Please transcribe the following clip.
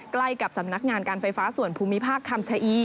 ใกล้กับสำนักงานการไฟฟ้าส่วนภูมิภาคคำชะอี